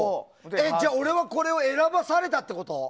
じゃあ、俺はこれを選ばされたってこと？